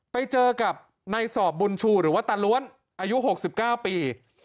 ไปเจอกับในสอบบุญชูหรือว่าตาล้วนอายุ๖๙ปี